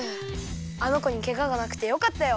あのこにケガがなくてよかったよ。